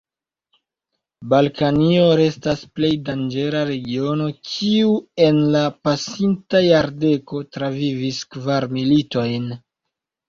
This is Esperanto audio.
Balkanio restas plej danĝera regiono, kiu en la pasinta jardeko travivis kvar militojn.